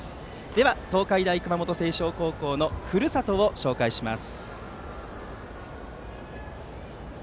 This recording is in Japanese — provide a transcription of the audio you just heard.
では、東海大熊本星翔高校のふるさとを紹介します。